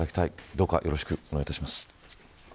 どうかよろしくお願いします。